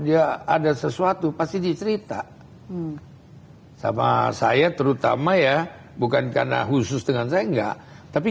dia ada sesuatu pasti dicerita sama saya terutama ya bukan karena khusus dengan saya enggak tapi